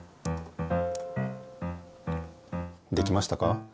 できましたか？